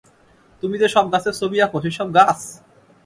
তুমি যে-সব গাছের ছবি আঁক, সেইসব গাছ?